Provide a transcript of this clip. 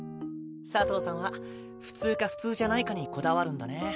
佐藤さんは普通か普通じゃないかにこだわるんだね。